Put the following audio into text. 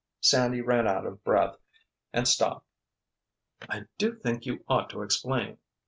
Sandy ran out of breath and stopped. "I do think you ought to explain!"